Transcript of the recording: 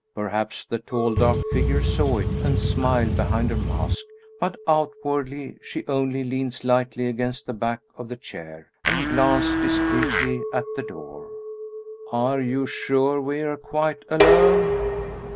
Perhaps the tall, dark figure saw it, and smiled behind her mask; but outwardly she only leaned lightly against the back of the chair, and glanced discreetly at the door. "Are you sure we are quite alone?"